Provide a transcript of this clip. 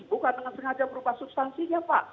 bukan dengan sengaja berubah substansinya pak